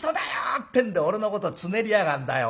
ってんで俺のことをつねりやがんだよおい。